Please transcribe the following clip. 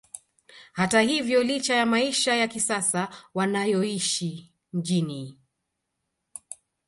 Hata hivyo licha ya maisha ya kisasa wanayoishi mjini